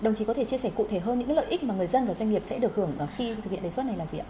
đồng chí có thể chia sẻ cụ thể hơn những lợi ích mà người dân và doanh nghiệp sẽ được hưởng khi thực hiện đề xuất này là gì ạ